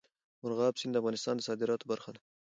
مورغاب سیند د افغانستان د صادراتو برخه ده.